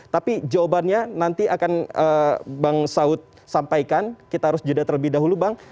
tapi jawabannya nanti akan bang saud sampaikan kita harus jeda terlebih dahulu bang